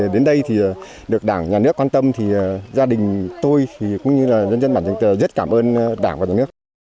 đến đây được đảng nhà nước quan tâm gia đình tôi cũng như dân dân bản trình tờ rất cảm ơn đảng và nhà nước